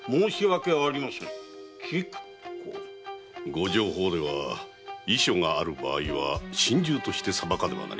御定法では遺書がある場合は心中として裁かねばなりません。